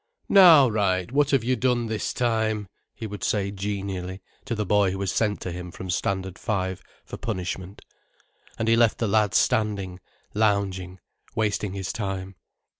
"Now, Wright, what have you done this time?" he would say genially to the boy who was sent to him from Standard Five for punishment. And he left the lad standing, lounging, wasting his time.